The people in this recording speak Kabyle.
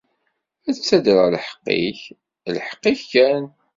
Ad d-ttadreɣ lḥeqq-ik, lḥeqq-ik kan.